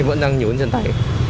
em vẫn đang nhuấn chân tay